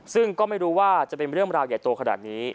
ซึ่งก็ไม่รู้ว่าจะเป็นเรื่องราวใหญ่โตขนาดนี้